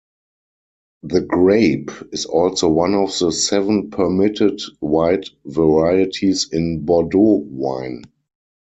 The grape is also one of the seven permitted white varieties in Bordeaux wine.